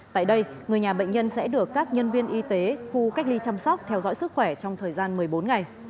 tại đây người nhà bệnh nhân sẽ được các nhân viên y tế khu cách ly chăm sóc theo dõi sức khỏe trong thời gian một mươi bốn ngày